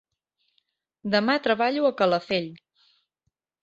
Demà treballo a Calafell.